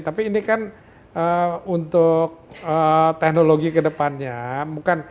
tapi ini kan untuk teknologi kedepannya